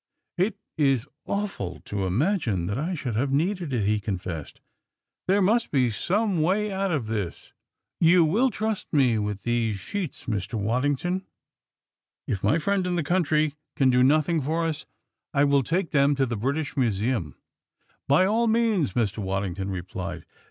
"It is awful to imagine that I should have needed it," he confessed. "There must be some way out of this. You will trust me with these sheets, Mr. Waddington? If my friend in the country can do nothing for us, I will take them to the British Museum." "By all means," Mr. Waddington replied.